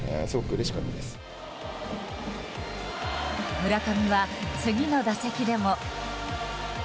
村上は次の打席でも。